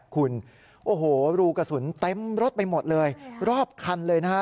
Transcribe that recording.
คุณโอ้โหรูกระสุนเต็มรถไปหมดเลยรอบคันเลยนะฮะ